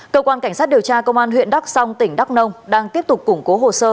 cơ quan cảnh sát điều tra công an huyện đắk song tỉnh đắk nông đang tiếp tục củng cố hồ sơ